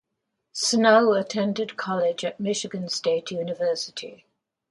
Snow attended college at Michigan State University.